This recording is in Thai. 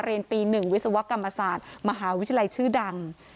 เรียนปี๑วิศวกรรมศาสตร์มหาวิทยาลัยชื่อดัง